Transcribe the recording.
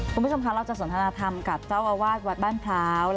ผู้มิชมค่ะเราจะสนทรณฐรรภ์ทำกับเจ้าวาดวัดบ้านพร้าว